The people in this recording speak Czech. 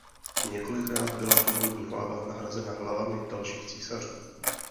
Několikrát byla původní hlava nahrazena hlavami dalších císařů.